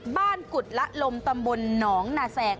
กุฎละลมตำบลหนองนาแซง